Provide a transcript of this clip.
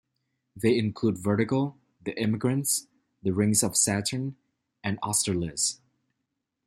They include "Vertigo", "The Emigrants", "The Rings of Saturn" and "Austerlitz".